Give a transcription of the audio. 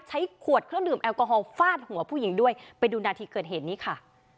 ใช้ขวดเครื่องดื่มแอลกอฮอลฟาดหัวผู้หญิงด้วยไปดูนาทีเกิดเหตุนี้ค่ะ